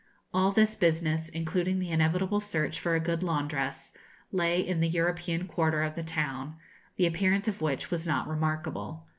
All this business, including the inevitable search for a good laundress, lay in the European quarter of the town, the appearance of which was not remarkable.